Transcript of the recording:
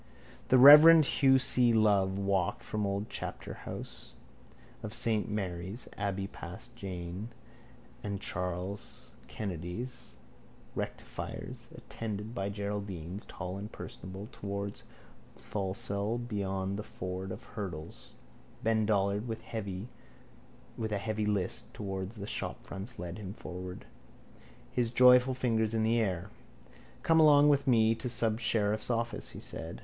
The reverend Hugh C. Love walked from the old chapterhouse of saint Mary's abbey past James and Charles Kennedy's, rectifiers, attended by Geraldines tall and personable, towards the Tholsel beyond the ford of hurdles. Ben Dollard with a heavy list towards the shopfronts led them forward, his joyful fingers in the air. —Come along with me to the subsheriff's office, he said.